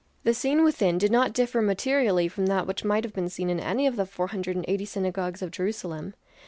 The scene within did not differ materially from that which might have been seen in any other of the four hundred and eighty synagogues of Jerusalem.